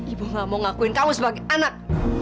ibu gak mau ngakuin kamu sebagai anak